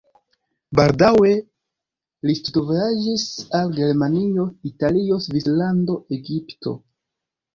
Baldaŭe li studvojaĝis al Germanio, Italio, Svislando, Egipto.